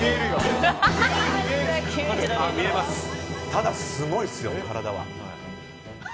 ただ、すごいですよ体は。